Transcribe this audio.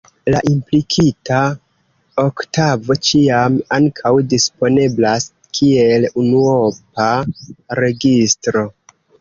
La implikita oktavo ĉiam ankaŭ disponeblas kiel unuopa registro.